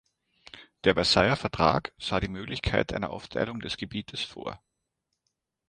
Der Versailler Vertrag sah die Möglichkeit einer Aufteilung des Gebietes vor.